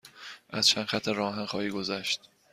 از چند خط راه آهن خواهی گذشت.